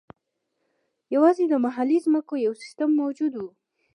یوازې د محلي ځمکو یو سیستم موجود و.